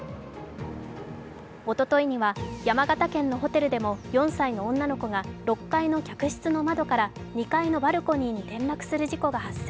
おとといには山形県のホテルでも４歳の女の子が６階の客室の窓から２階のバルコニーに転落する事故が発生。